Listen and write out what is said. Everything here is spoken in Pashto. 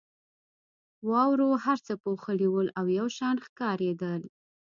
واورو هر څه پوښلي ول او یو شان ښکارېدل.